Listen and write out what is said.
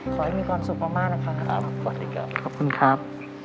ขอให้มีความสุขมากนะครับขอบคุณครับ